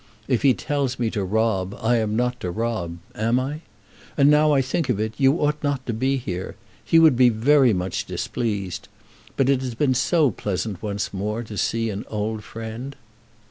If he tells me to rob, I am not to rob; am I? And now I think of it, you ought not to be here. He would be very much displeased. But it has been so pleasant once more to see an old friend."